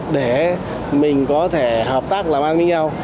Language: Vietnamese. để mình có thể hợp tác làm ăn với nhau